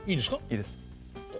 いいです。